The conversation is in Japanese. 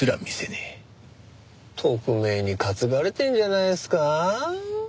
特命に担がれてるんじゃないんすか？